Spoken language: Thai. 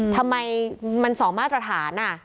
ทำไมมันส่องมาตรฐาน